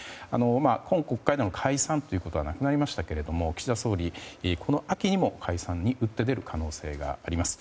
今国会での解散はなくなりましたが、岸田総理この秋にも解散に打って出る可能性があります。